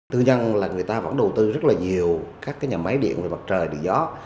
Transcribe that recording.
tư nhân là người ta vẫn đầu tư rất là nhiều các cái nhà máy điện về mặt trời điện gió